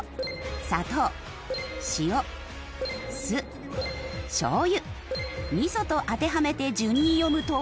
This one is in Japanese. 「さとう」「しお」「す」「しょうゆ」「みそ」と当てはめて順に読むと。